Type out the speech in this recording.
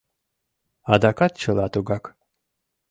Адакат чыла тугак.